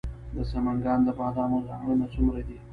د سمنګان د بادامو ځنګلونه څومره دي؟